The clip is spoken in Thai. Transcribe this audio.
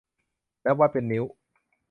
และวัดเป็นนิ้ว